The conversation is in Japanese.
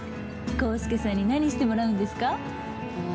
孝介さんに何してもらうんですか？